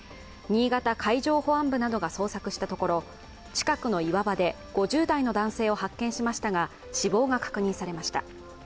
新潟海上保安部などが捜索したところ、近くの岩場で５０代の男性を発見しましたが死亡が確認されました。